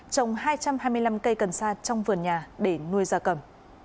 trồng hai trăm hai mươi năm cây cần xa trong vườn nhà để nuôi ra cầm